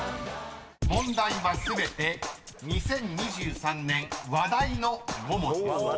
［問題は全て２０２３年話題の５文字です。